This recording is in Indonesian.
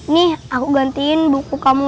nih aku gantiin buku kamu